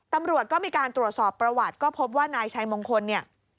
ตำรวจก็มีการตรวจสอบประวัติก็พบว่านายชัยมงคลเนี่ย